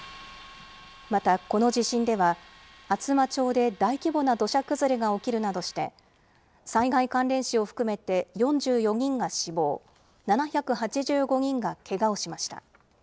またこの地震では、厚真町で大規模な土砂崩れが起きるなどして、災害関連死を含めて４４人が死亡、７８５人がけがをしました。